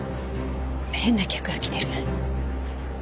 変な客が来てる。